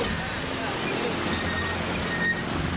seorang penjamret berhasil kabur